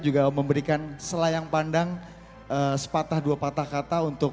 juga memberikan selayang pandang sepatah dua patah kata untuk